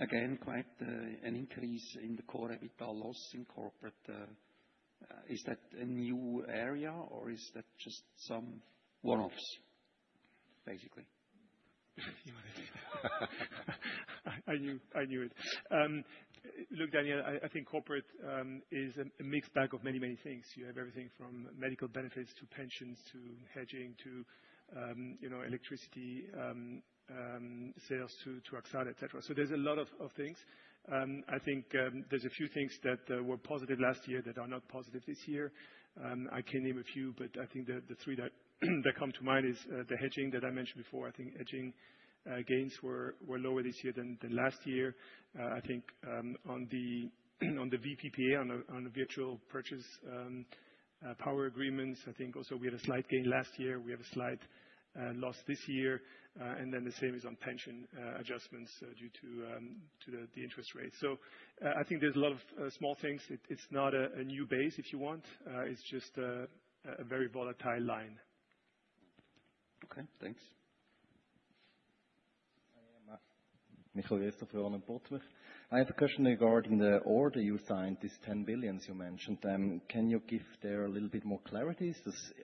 again quite an increase in the core EBITDA loss in Corporate. Is that a new area or is that just some one-offs, basically? <crosstalk> You might have seen that. I knew it. Look, Daniel, I think Corporate is a mixed bag of many, many things. You have everything from medical benefits to pensions to hedging to electricity sales to Arxada, et cetera. So, there's a lot of things. I think there's a few things that were positive last year that are not positive this year. I can name a few, but I think the three that come to mind is the hedging that I mentioned before. I think hedging gains were lower this year than last year. I think on the VPPA, on virtual power purchase agreements, I think also we had a slight gain last year. We have a slight loss this year. And then the same is on pension adjustments due to the interest rate. So I think there's a lot of small things. It's not a new base, if you want. It's just a very volatile line. Okay, thanks. Michael Yestervroon and Potterman. I have a question regarding the order you signed, this 10 billion you mentioned. Can you give that a little bit more clarity?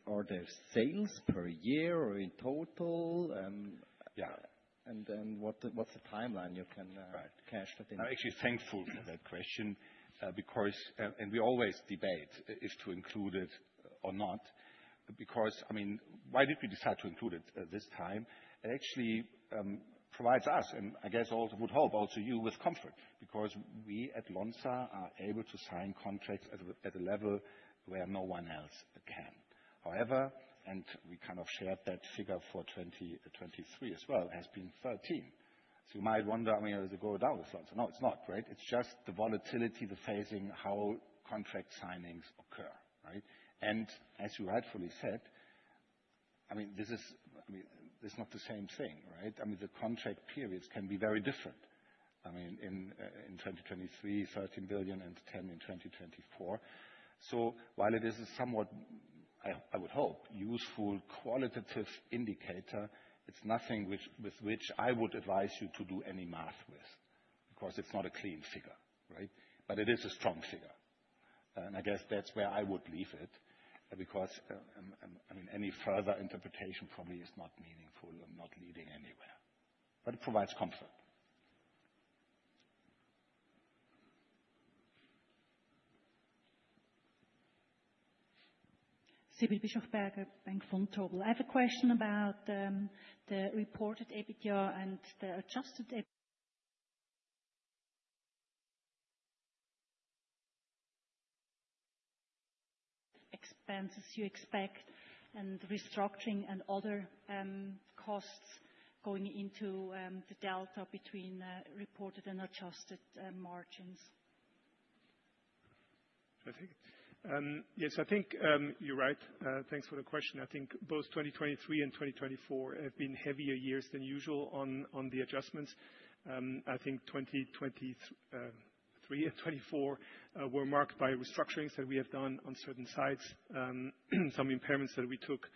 Are they sales per year or in total? And then what's the timeline you can cash that in? I'm actually thankful for that question because, and we always debate, is to include it or not, because, I mean, why did we decide to include it this time? It actually provides us, and I guess also would hope also you with comfort, because we at Lonza are able to sign contracts at a level where no one else can. However, and we kind of shared that figure for 2023 as well, has been 13 billion. So you might wonder, I mean, does it go down with Lonza? No, it's not, right? It's just the volatility, the phasing, how contract signings occur, right? And as you rightfully said, I mean, this is not the same thing, right? I mean, the contract periods can be very different. I mean, in 2023, 13 billion and 10 billion in 2024. So while it is a somewhat, I would hope, useful qualitative indicator, it's nothing with which I would advise you to do any math with, because it's not a clean figure, right? But it is a strong figure. And I guess that's where I would leave it, because, I mean, any further interpretation probably is not meaningful and not leading anywhere. But it provides comfort. Sibylle Bischofberger, Bank Vontobel. I have a question about the reported EBITDA and the adjusted expenses you expect and restructuring and other costs going into the delta between reported and adjusted margins. I think, yes, I think you're right. Thanks for the question. I think both 2023 and 2024 have been heavier years than usual on the adjustments. I think 2023 and 2024 were marked by restructurings that we have done on certain sites, some impairments that we took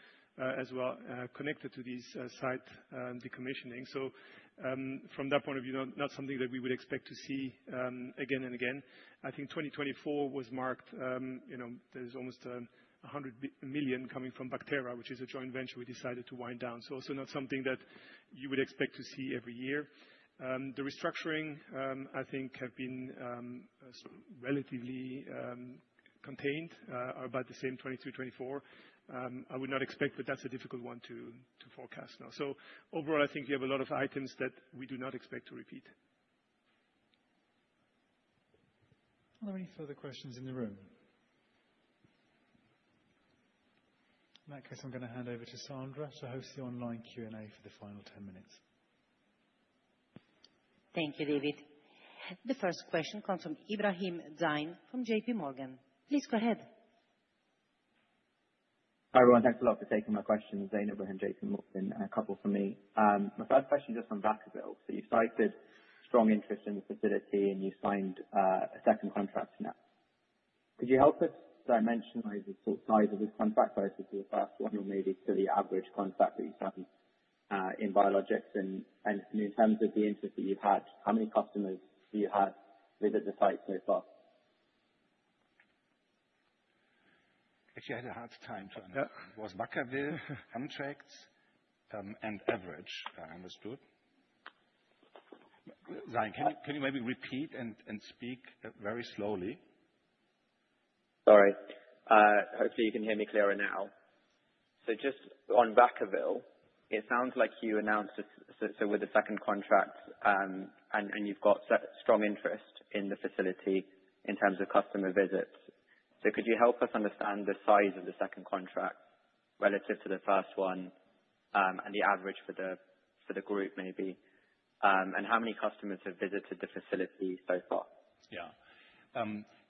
as well connected to these site decommissioning. So from that point of view, not something that we would expect to see again and again. I think 2024 was marked. There's almost 100 million coming from Bacthera, which is a joint venture we decided to wind down. So also not something that you would expect to see every year. The restructuring, I think, have been relatively contained, are about the same 2023, 2024. I would not expect, but that's a difficult one to forecast now. So overall, I think we have a lot of items that we do not expect to repeat. Are there any further questions in the room? In that case, I'm going to hand over to Sandra to host the online Q&A for the final 10 minutes. Thank you, `David. The first question comes from Ebrahim Zain from J.P. Morgan. Please go ahead. Hi everyone, thanks a lot for taking my questions. Zain Ebrahim, J.P. Morgan, and a couple for me. My first question is just on Vacaville. So you cited strong interest in the facility and you signed a second contract now. Could you help us dimensionize the size of this contract versus the first one or maybe to the average contract that you signed in biologics? And in terms of the interest that you've had, how many customers have you had visit the site so far? Actually, I had a hard time trying to. It was Vacaville. Contracts and average, I understood. Zain, can you maybe repeat and speak very slowly? Sorry. Hopefully, you can hear me clearer now. So just on Vacaville, it sounds like you announced it with a second contract and you've got strong interest in the facility in terms of customer visits. So could you help us understand the size of the second contract relative to the first one and the average for the group maybe? And how many customers have visited the facility so far? Yeah.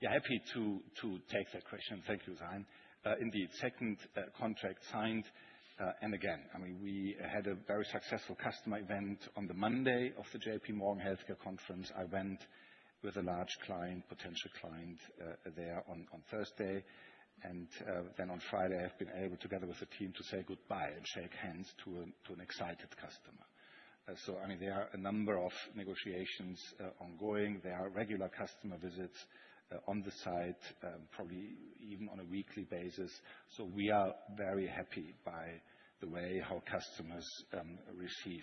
Yeah, happy to take that question. Thank you, Zain. Indeed, second contract signed. And again, I mean, we had a very successful customer event on the Monday of the J.P. Morgan Healthcare Conference. I went with a large client, potential client there on Thursday. And then on Friday, I've been able together with the team to say goodbye and shake hands to an excited customer. So I mean, there are a number of negotiations ongoing. There are regular customer visits on the site, probably even on a weekly basis. We are very happy by the way how customers received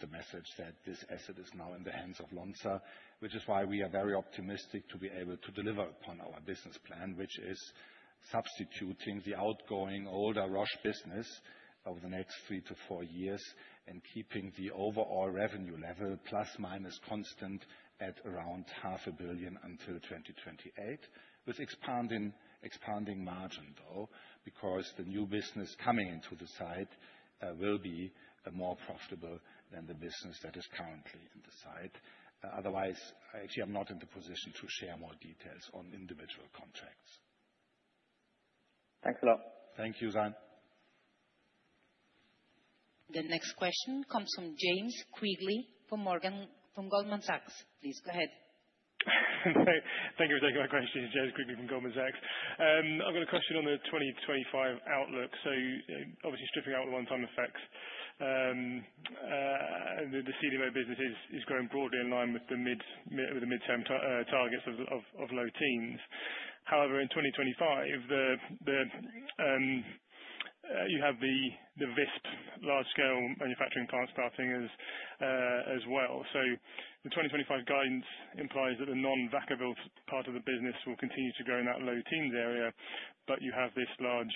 the message that this asset is now in the hands of Lonza, which is why we are very optimistic to be able to deliver upon our business plan, which is substituting the outgoing older Roche business over the next three to four years and keeping the overall revenue level plus minus constant at around 500 million until 2028, with expanding margin though, because the new business coming into the site will be more profitable than the business that is currently in the site. Otherwise, actually, I'm not in the position to share more details on individual contracts. Thanks a lot. Thank you, Zain. The next question comes from James Quigley from Goldman Sachs. Please go ahead. Thank you for taking my question. James Quigley from Goldman Sachs. I've got a question on the 2025 outlook. So, obviously stripping out the one-time effects, the CDMO business is growing broadly in line with the midterm targets of low-teens. However, in 2025, you have the Visp large-scale manufacturing plant starting as well. So the 2025 guidance implies that the non-Vacaville part of the business will continue to grow in that low-teens area, but you have this large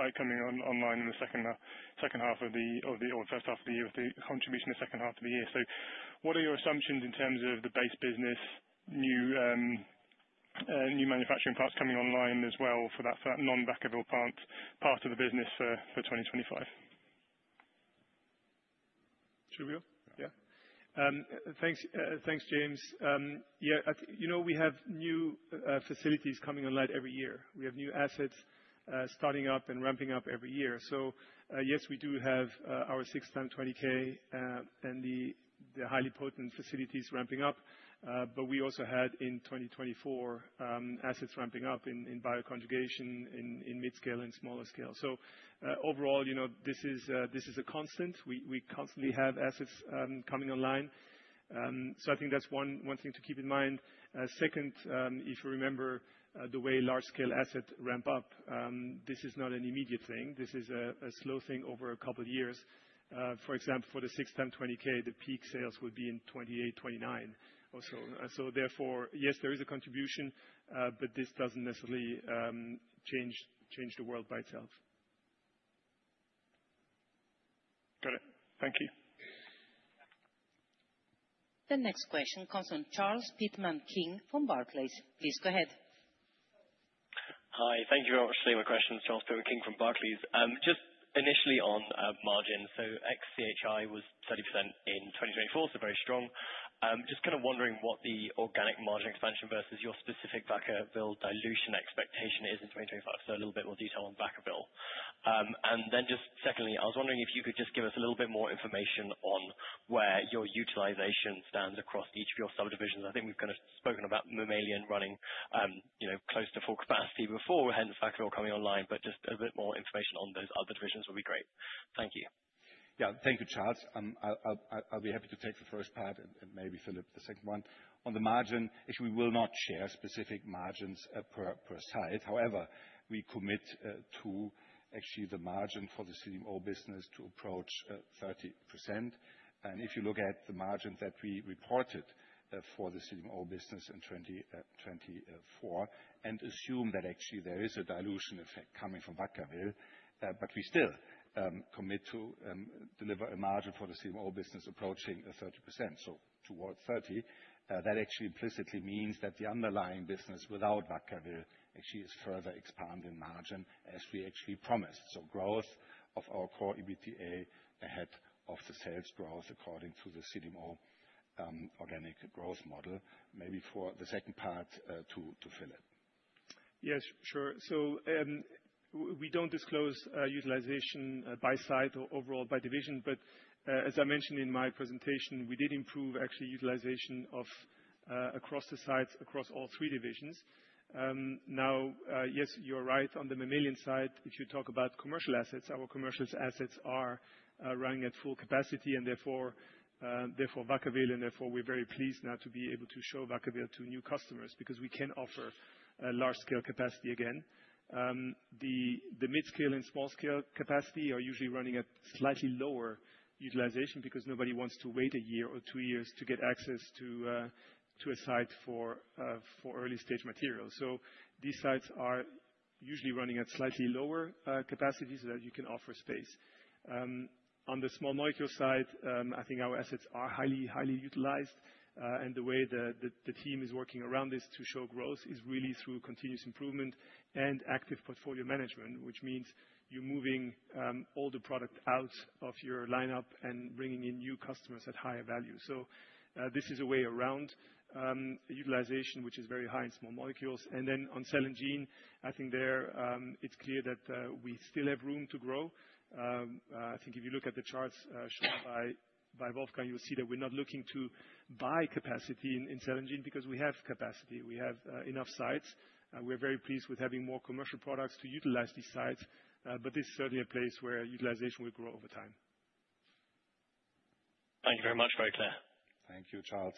site coming online in the second half of the or first half of the year with the contribution of the second half of the year. So what are your assumptions in terms of the base business, new manufacturing parts coming online as well for that non-Vacaville plant part of the business for 2025? Should we go? Yeah. Thanks, James. Yeah, you know we have new facilities coming online every year. We have new assets starting up and ramping up every year. So yes, we do have our six times 20K and the highly potent facilities ramping up, but we also had in 2024 assets ramping up in bioconjugation in mid-scale and smaller scale. So overall, this is a constant. We constantly have assets coming online. So I think that's one thing to keep in mind. Second, if you remember the way large-scale assets ramp up, this is not an immediate thing. This is a slow thing over a couple of years. For example, for the six times 20K, the peak sales would be in 2028, 2029. So therefore, yes, there is a contribution, but this doesn't necessarily change the world by itself. Got it. Thank you. The next question comes from Charles Pitman-King from Barclays. Please go ahead. Hi, thank you very much for taking my question, Charles Pitman-King from Barclays. Just initially on margins, so ex CHI was 30% in 2024, so very strong. Just kind of wondering what the organic margin expansion versus your specific Vacaville dilution expectation is in 2025. So a little bit more detail on Vacaville. And then just secondly, I was wondering if you could just give us a little bit more information on where your utilization stands across each of your subdivisions. I think we've kind of spoken about mammalian running close to full capacity before, hence Vacaville coming online, but just a bit more information on those other divisions would be great. Thank you. Yeah, thank you, Charles. I'll be happy to take the first part and maybe Philippe, the second one. On the margin, actually, we will not share specific margins per site. However, we commit to actually the margin for the CDMO business to approach 30%. And if you look at the margin that we reported for the CDMO business in 2024 and assume that actually there is a dilution effect coming from Vacaville, but we still commit to deliver a margin for the CDMO business approaching 30%, so towards 30, that actually implicitly means that the underlying business without Vacaville actually is further expanding margin as we actually promised. So growth of our core EBITDA ahead of the sales growth according to the CDMO Organic Growth Model. Maybe for the second part to fill it. Yes, sure. So we don't disclose utilization by site or overall by division, but as I mentioned in my presentation, we did improve actually utilization across the sites across all three divisions. Now, yes, you're right on the mammalian side. If you talk about commercial assets, our commercial assets are running at full capacity and therefore Vacaville and therefore we're very pleased now to be able to show Vacaville to new customers because we can offer large-scale capacity again. The mid-scale and small-scale capacity are usually running at slightly lower utilization because nobody wants to wait a year or two years to get access to a site for early-stage materials. So these sites are usually running at slightly lower capacities so that you can offer space. On the small molecule side, I think our assets are highly utilized and the way the team is working around this to show growth is really through continuous improvement and active portfolio management, which means you're moving all the product out of your lineup and bringing in new customers at higher value. So this is a way around utilization, which is very high in small molecules. And then on Cell & Gene, I think there it's clear that we still have room to grow. I think if you look at the charts shown by Wolfgang, you'll see that we're not looking to buy capacity in Cell & Gene because we have capacity. We have enough sites. We're very pleased with having more commercial products to utilize these sites, but this is certainly a place where utilization will grow over time. Thank you very much. Very clear. Thank you, Charles.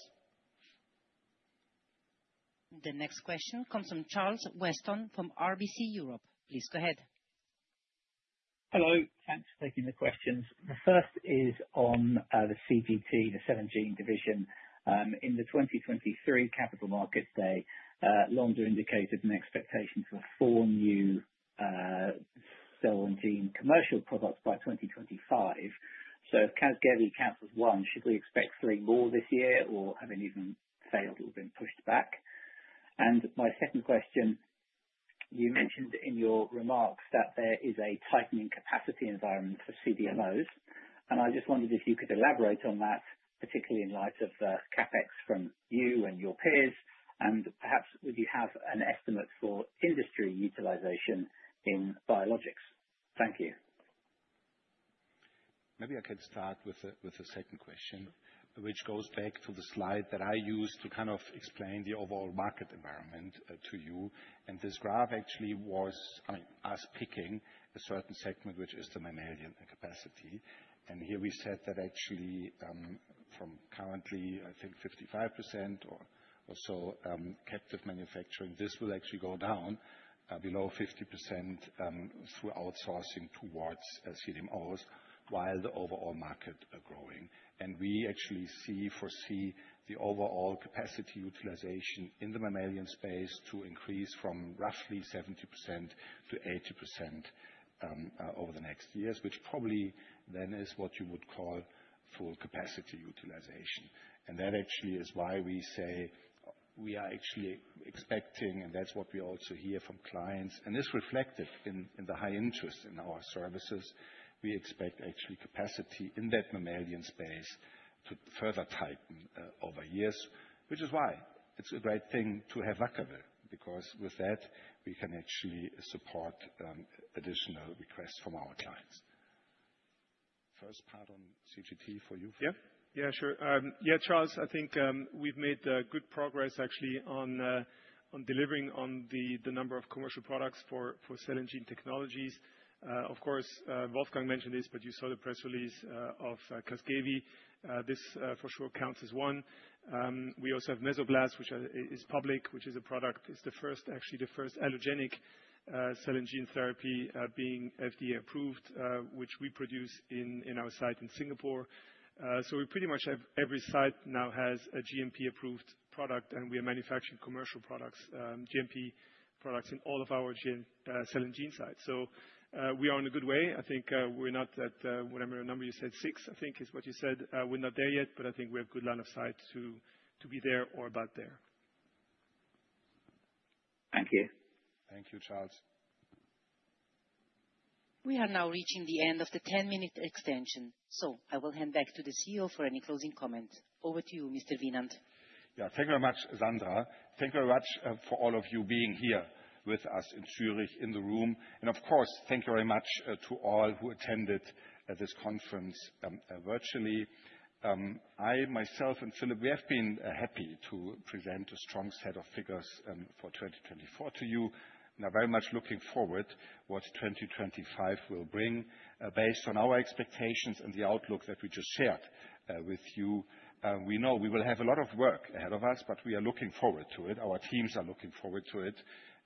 The next question comes from Charles Weston from RBC Europe. Please go ahead. Hello. Thanks for taking the questions. The first is on the CGT, the Cell & Gene division. In the 2023 Capital Markets Day, Lonza indicated an expectation for four new Cell & Gene commercial products by 2025. So if CASGEVY counts as one, should we expect three more this year or have it even failed or been pushed back? And my second question, you mentioned in your remarks that there is a tightening capacity environment for CDMOs. And I just wondered if you could elaborate on that, particularly in light of CapEx from you and your peers. And perhaps would you have an estimate for industry utilization in biologics? Thank you. Maybe I can start with the second question, which goes back to the slide that I used to kind of explain the overall market environment to you. This graph actually was us picking a certain segment, which is the mammalian capacity. Here we said that actually from currently, I think 55% or so captive manufacturing, this will actually go down below 50% through outsourcing towards CDMOs while the overall market is growing. We actually foresee the overall capacity utilization in the mammalian space to increase from roughly 70%-80% over the next years, which probably then is what you would call full capacity utilization. That actually is why we say we are actually expecting, and that's what we also hear from clients. It's reflected in the high interest in our services. We expect actually capacity in that mammalian space to further tighten over years, which is why it's a great thing to have Vacaville because with that, we can actually support additional requests from our clients. First part on CGT for you. Yeah, yeah, sure. Yeah, Charles, I think we've made good progress actually on delivering on the number of commercial products for Cell & Gene technologies. Of course, Wolfgang mentioned this, but you saw the press release of CASGEVY. This for sure counts as one. We also have Mesoblast, which is public, which is a product, is the first, actually the first allogeneic Cell & Gene therapy being FDA approved, which we produce in our site in Singapore. So we pretty much have every site now has a GMP-approved product and we are manufacturing commercial products, GMP products in all of our Cell & Gene sites. So we are in a good way. I think we're not at whatever number you said, six, I think is what you said. We're not there yet, but I think we have a good line of sight to be there or about there. Thank you. Thank you, Charles. We are now reaching the end of the 10-minute extension. So I will hand back to the CEO for any closing comment. Over to you, Mr. Wienand. Yeah, thank you very much, Sandra. Thank you very much for all of you being here with us in Zurich in the room. And of course, thank you very much to all who attended this conference virtually. I, myself, and Philippe, we have been happy to present a strong set of figures for 2024 to you. And I'm very much looking forward to what 2025 will bring based on our expectations and the outlook that we just shared with you. We know we will have a lot of work ahead of us, but we are looking forward to it. Our teams are looking forward to it.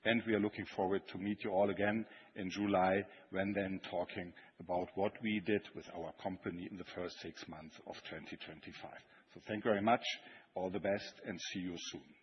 And we are looking forward to meet you all again in July when then talking about what we did with our company in the first six months of 2025. So thank you very much. All the best and see you soon.